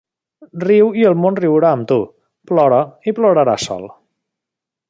Riu i el món riurà amb tu. Plora i ploraràs sol.